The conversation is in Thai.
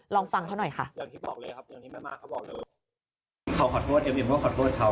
ลองฟังเขาหน่อยค่ะ